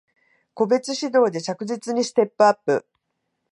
個別指導で着実にステップアップ